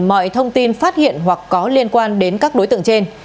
mọi thông tin phát hiện hoặc có liên quan đến các đối tượng trên